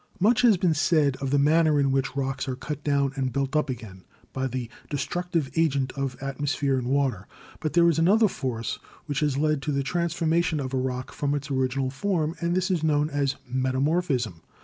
Much has been said of the manner in which rocks are cut down and built up again by the destructive agent of atmosphere and water, but there is another force which has led to the transformation of a rock from its original form, and this is known as Metamorphism.